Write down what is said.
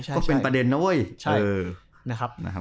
ก็เป็นประเด็นนะเว้ย